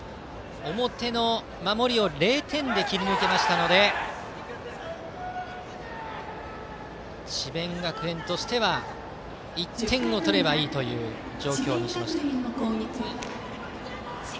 表の守りを０点で切り抜けましたので智弁学園としては１点を取ればいい状況にしました。